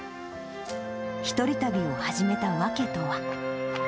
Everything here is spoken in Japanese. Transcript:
１人旅を始めた訳とは。